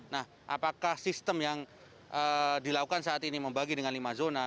nah apakah sistem yang dilakukan saat ini membagi dengan lima zona